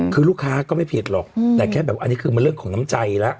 คือลูกค้าก็ไม่ผิดหรอกแต่แค่แบบอันนี้คือมันเรื่องของน้ำใจแล้ว